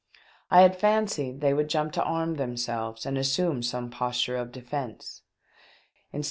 I had fancied they would jump to arm themselves and assume some posture of defence ; instead THE DEATH SHI.